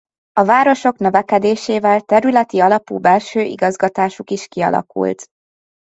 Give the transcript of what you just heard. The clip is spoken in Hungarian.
A városok növekedésével területi alapú belső igazgatásuk is kialakult.